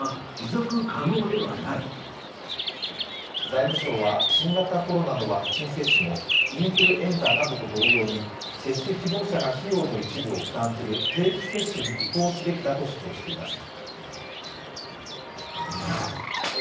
財務省は新型コロナのワクチン接種もインフルエンザなどと同様に、接種希望者が費用の一部を負担する定期接種に移行すべきだと主張しています。